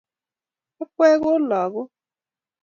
Akwek oi lagook